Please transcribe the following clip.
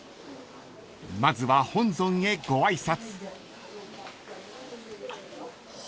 ［まずは本尊へご挨拶］